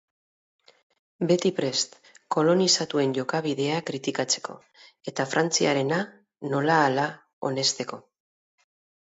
Beti prest kolonizatuen jokabidea kritikatzeko, eta Frantziarena nola-hala onesteko.